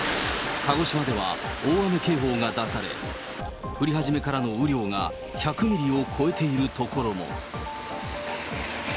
鹿児島では大雨警報が出され、降り始めからの雨量が１００ミリを超えている所も。